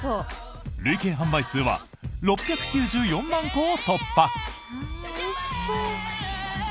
累計販売数は６９４万個を突破。